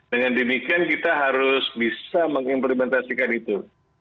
dengan demikian kita harus bisa mengimplementasikan itu